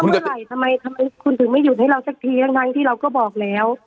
เมื่อไหร่ทำไมคุณถึงไม่หยุดให้เราสักทีทั้งที่เราก็บอกแล้ว